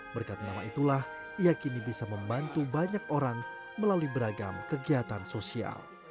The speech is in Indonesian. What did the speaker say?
berkat nama itulah ia kini bisa membantu banyak orang melalui beragam kegiatan sosial